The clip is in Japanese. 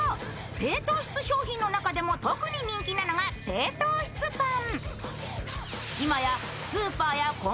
低糖質商品の中でも特に人気なのが低糖質パン。